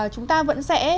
chúng ta vẫn sẽ